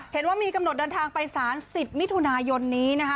เห็นว่ามีกำหนดเดินทางไปสาร๑๐มิถุนายนนี้นะคะ